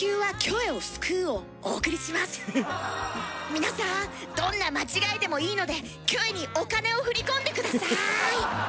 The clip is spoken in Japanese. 皆さんどんな間違えでもいいのでキョエにお金を振り込んで下さい！